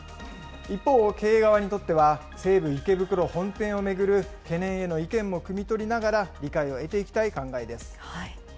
一方、経営側にとっては、西武池袋本店を巡る懸念への意見もくみ取りながら、理解を得ていきたい考えです。